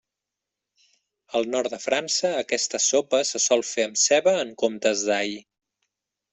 Al nord de França aquesta sopa se sol fer amb ceba en comptes d'all.